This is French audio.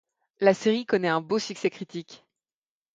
La série connaît un beau succès critique.